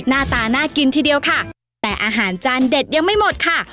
หน้าตาน่ากินทีเดียวค่ะแต่อาหารจานเด็ดยังไม่หมดค่ะ